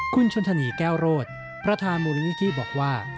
คุณชนธนีแก้วโรดประธานมูลนิธิบอกว่า